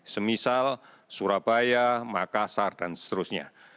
semisal surabaya makassar dan seterusnya